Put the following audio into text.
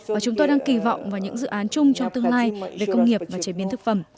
và chúng tôi đang kỳ vọng vào những dự án chung cho tương lai về công nghiệp và chế biến thực phẩm